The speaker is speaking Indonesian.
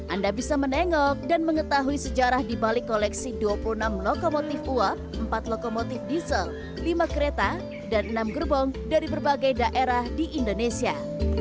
anda bisa menengok dan mengetahui sejarah di balik koleksi dua puluh enam lokomotif uap empat lokomotif diesel lima kereta dan enam gerbong dari berbagai daerah di indonesia